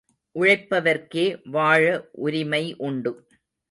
உழைப்பவர்க்கே வாழ உரிமை உண்டு.